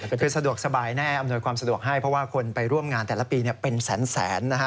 คือสะดวกสบายแน่อำนวยความสะดวกให้เพราะว่าคนไปร่วมงานแต่ละปีเป็นแสนนะฮะ